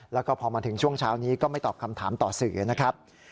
แล้วก็พอมาถึงช่วงเช้านี้ก็ไม่ตอบคำถามต่อสื่อนะครับ